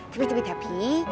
tapi tapi tapi